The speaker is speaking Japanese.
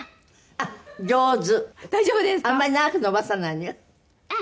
あんまり長く伸ばさないのよ。